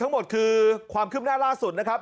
ทั้งหมดคือความคืบหน้าล่าสุดนะครับ